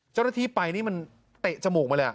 เจ้าหน้าที่ไปนี่มันเตะจมูกมาเลย